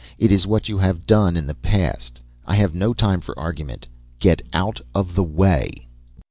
It is what you have done in the past. I have no time for argument. Get out of the way."